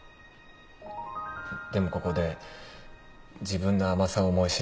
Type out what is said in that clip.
でもここで自分の甘さを思い知らされた。